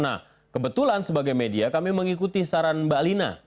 nah kebetulan sebagai media kami mengikuti saran mbak lina